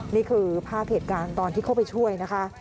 นี่คือภาพเหตุการณ์ตอนที่เข้าไปช่วยนะคะ